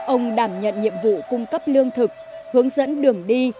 ông đảm nhận nhiệm vụ cung cấp lương thực hướng dẫn đường đi